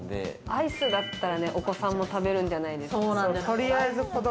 アイスだったら、お子さんも食べるんじゃないですか。